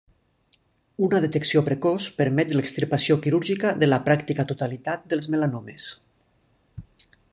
Una detecció precoç permet l'extirpació quirúrgica de la pràctica totalitat dels melanomes.